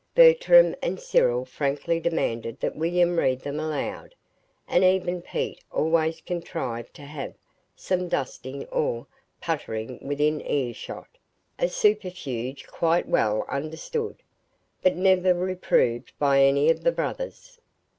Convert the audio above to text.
Bertram and Cyril frankly demanded that William read them aloud; and even Pete always contrived to have some dusting or "puttering" within earshot a subterfuge quite well understood, but never reproved by any of the brothers.